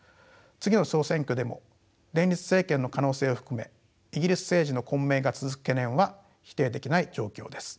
次の総選挙でも連立政権の可能性を含めイギリス政治の混迷が続く懸念は否定できない状況です。